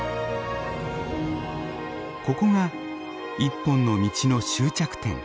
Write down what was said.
ここが一本の道の終着点。